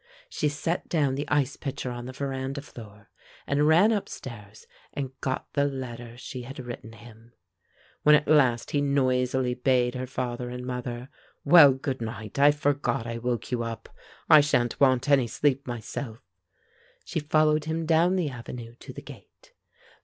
She set down the ice pitcher on the veranda floor, and ran up stairs and got the letter she had written him. When at last he noisily bade her father and mother, "Well, good night. I forgot I woke you up; I sha'n't want any sleep myself," she followed him down the avenue to the gate.